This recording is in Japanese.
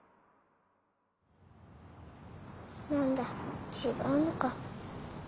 何だ違うのか。